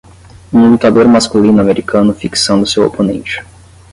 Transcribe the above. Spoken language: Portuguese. Um lutador masculino americano fixando seu oponente.